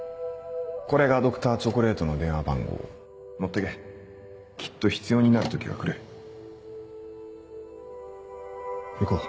これがＤｒ．チョコレートの電話番号持ってけきっと必要になる時が来る行こう。